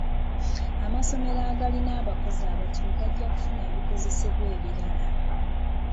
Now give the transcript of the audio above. Amassomero agalina abakozi abatono gajja kufuna ebikozesebwa ebirala.